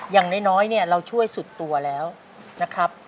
อย่างน้อยเนี่ยเราช่วยสุดตัวแล้วนะครับ